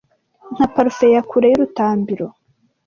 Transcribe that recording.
nka parufe ya kure y'urutambiro